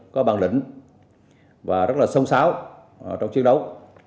có bản lĩnh và rất là sông sáo trong chiến đấu